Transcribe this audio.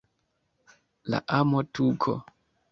La amo-tuko?